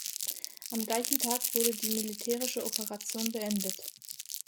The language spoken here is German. Am gleichem Tag wurde die militärische Operation beendet.